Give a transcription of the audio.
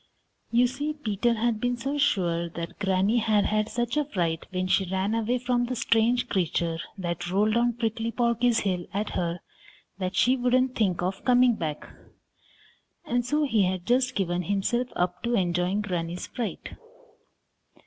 You see, Peter had been so sure that Granny had had such a fright when she ran away from the strange creature that rolled down Prickly Porky's hill at her that she wouldn't think of coming back, and so he had just given himself up to enjoying Granny's fright.